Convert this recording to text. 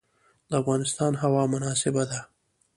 د افغانستان هوا مناسبه ده.